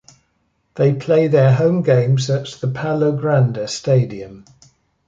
They play their home games at the Palogrande stadium.